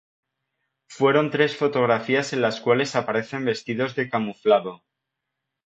Fueron tres fotografías en las cuales aparecen vestidos de camuflado.